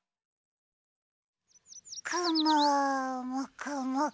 くももくもく。